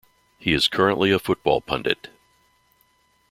He is currently a football pundit.